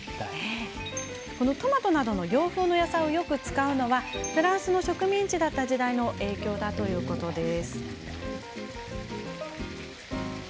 トマトなどの洋風の野菜をよく使うのはフランスの植民地だった時代の影響だといいます。